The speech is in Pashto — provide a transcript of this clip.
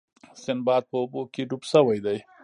سنباد په اوبو کې ډوب شوی دی.